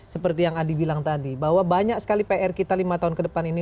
seperti yang adi bilang tadi bahwa banyak sekali pr kita lima tahun ke depan ini